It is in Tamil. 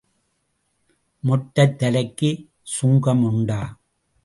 மொட்டைத் தலைக்கு சுங்கம் உண்டா?